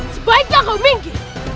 sebaiknya kau minggi